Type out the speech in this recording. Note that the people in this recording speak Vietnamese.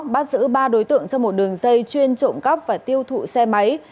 bắt giữ ba đối tượng trong một đường dây chuyên trộm cắp và tiêu thụ xe máy